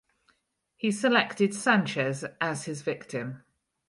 He selected Sanchez as his victim.